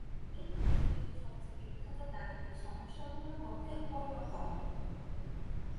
এটি পৃথিবীর সবচেয়ে বিখ্যাত গাণিতিক সমস্যাগুলোর মধ্যে অন্যতম।